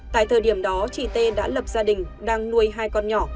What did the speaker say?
tại thời điểm đó chị t đã lập gia đình đang nuôi hai con nhỏ